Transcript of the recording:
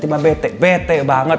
abis mandi seger banget